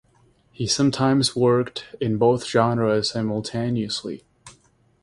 He sometimes worked in both genres simultaneously.